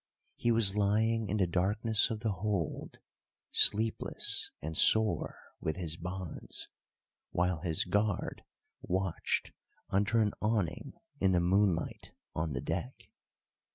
He was lying in the darkness of the hold, sleepless and sore with his bonds, while his guard watched under an awning in the moonlight on the deck.